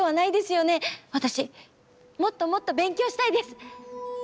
私もっともっと勉強したいです！